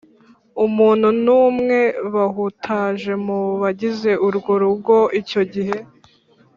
umuntu n’umwe bahutaje mu bagize urwo rugo icyo gihe.